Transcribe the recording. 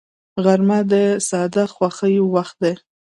غرمه د ساده خوښیو وخت دی